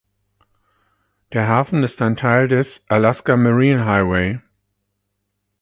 Der Hafen ist ein Teil des Alaska Marine Highway.